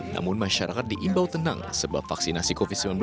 namun masyarakat diimbau tenang sebab vaksinasi covid sembilan belas